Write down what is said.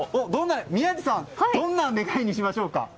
宮司さんどんな願いにしましょうか？